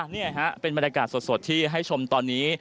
นี่ฮะเป็นบรรยากาศสดที่ให้ชมตอนนี้